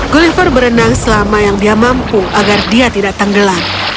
gulliver berenang selama yang dia mampu agar dia tidak tenggelam